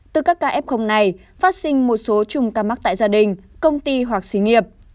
từ các ca f này phát sinh một số chung ca mắc tại gia đình công ty hoặc xí nghiệp